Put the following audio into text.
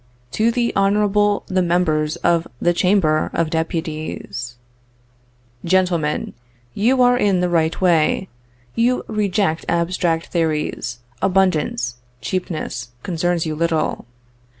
To the Honorable the Members of the Chamber of Deputies: "GENTLEMEN, You are in the right way: you reject abstract theories; abundance, cheapness, concerns you little.